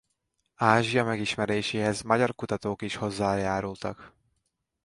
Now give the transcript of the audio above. Ázsia megismeréséhez magyar kutatók is hozzájárultak.